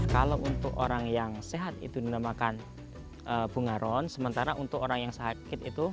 kalau untuk orang yang sehat itu dinamakan bunga ron sementara untuk orang yang sakit itu